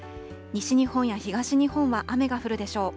西日本や東日本は雨が降るでしょう。